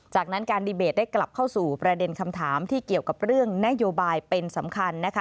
จากนั้นการดีเบตได้กลับเข้าสู่ประเด็นคำถามที่เกี่ยวกับเรื่องนโยบายเป็นสำคัญนะคะ